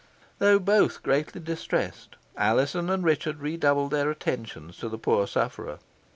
Though both greatly distressed, Alizon and Richard redoubled their attentions to the poor sufferer.